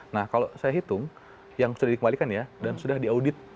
nah kalau saya hitung yang sudah dikembalikan ya dan sudah diaudit